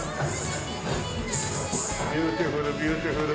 ビューティフルビューティフル。